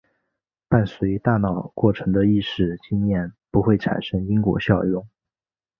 伴随大脑过程的意识经验不会产生因果效用。